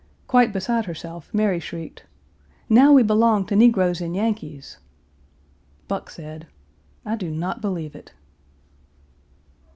Quite beside herself Mary shrieked, "Now we belong to negroes and Yankees!" Buck said, "I do not believe it."